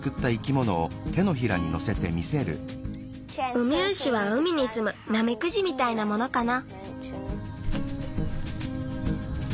ウミウシは海にすむナメクジみたいなものかな。